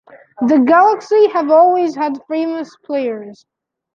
The Galaxy have always had famous players.